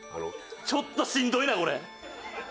ちょっとしんどいなこれ。